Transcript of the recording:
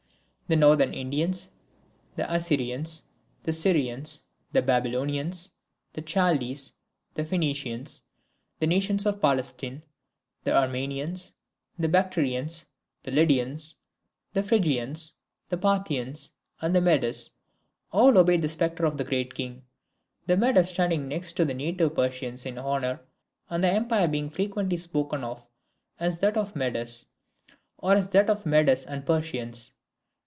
The northern Indians, the Assyrians, the Syrians, the Babylonians, the Chaldees, the Phoenicians, the nations of Palestine, the Armenians, the Bactrians, the Lydians, the Phrygians, the Parthians, and the Medes, all obeyed the sceptre of the Great King: the Medes standing next to the native Persians in honour, and the empire being frequently spoken of as that of the Medes, or as that of the Medes and Persians.